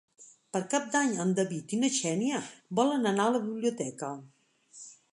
Per Cap d'Any en David i na Xènia volen anar a la biblioteca.